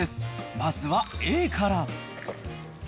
まずはＡから。